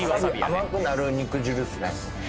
甘くなる肉汁っすね